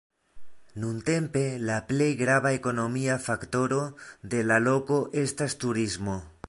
Nuntempe la plej grava ekonomia faktoro de la loko estas turismo.